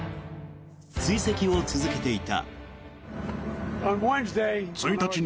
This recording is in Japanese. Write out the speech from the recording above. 追跡を続けていた。